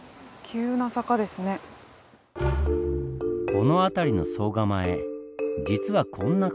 この辺りの総構実はこんな形。